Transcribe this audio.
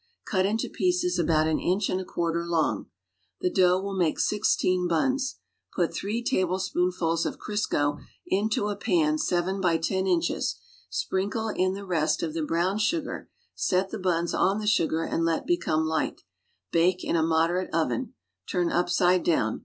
Cut into pieces about an inch and a (piarter long. riie dough \\ill make sixteen buns. Ihil three tablespoonfnls of Crisco iul<i a [)an 7 by 10 inches, si)rinkle in the r<'st of the brown sugar; set the buns on the s\igar and let beeonic light. ISake in a moderate oven. Turn upside down.